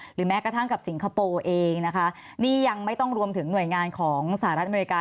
แม้กระทั่งกับสิงคโปร์เองนะคะนี่ยังไม่ต้องรวมถึงหน่วยงานของสหรัฐอเมริกา